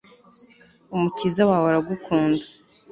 umukiza wawe aragukunda